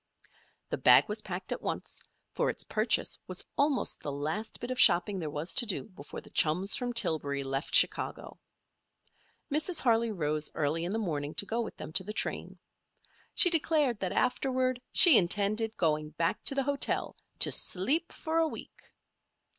The bag was packed at once, for its purchase was almost the last bit of shopping there was to do before the chums from Tillbury left Chicago. Mrs. Harley rose early in the morning to go with them to the train. She declared that afterward she intended going back to the hotel to "sleep for a week."